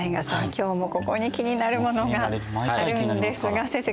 今日もここに気になるものがあるんですが先生